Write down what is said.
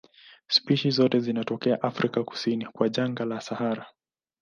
Spishi zote zinatokea Afrika kusini kwa jangwa la Sahara.